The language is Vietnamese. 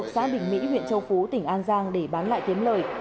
xã bình mỹ huyện châu phú tỉnh an giang để bán lại kiếm lời